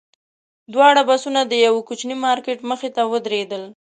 دواړه بسونه د یوه کوچني مارکېټ مخې ته ودرېدل.